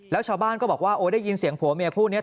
แล้วชาวบ้านก็บอกว่าโอ้ได้ยินเสียงผัวเมียคู่นี้